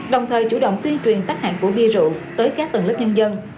đồng thời chủ động tuyên truyền tắc hạn của bia rượu tới các tầng lớp nhân dân